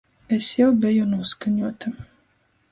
Es jau beju nūskaņuota...